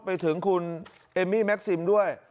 ไปถึงคุณเอมมี่แม็กซิมด้วย